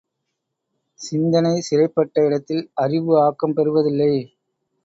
சிந்தனை சிறைப்பட்ட இடத்தில் அறிவு ஆக்கம் பெறுவதில்லை.